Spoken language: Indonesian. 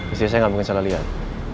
istri saya nggak mungkin salah lihat